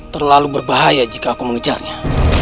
terlalu berbahaya jika aku mengejarnya